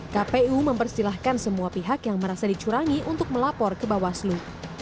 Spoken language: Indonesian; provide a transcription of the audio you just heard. kpu mempersilahkan semua pihak yang merasa dicurangi untuk melapor ke bawaslu